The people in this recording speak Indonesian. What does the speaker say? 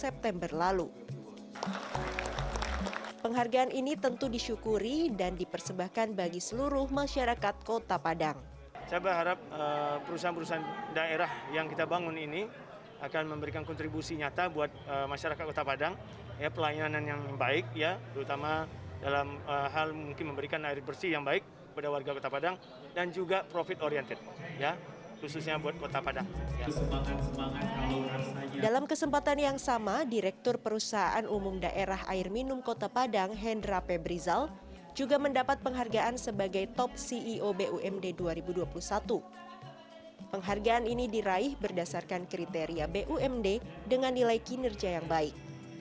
penerima penghargaan dinyatakan telah banyak berinovasi dan juga berkontribusi dalam pembangunan daerah